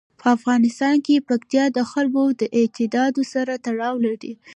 په افغانستان کې پکتیکا د خلکو د اعتقاداتو سره تړاو لري.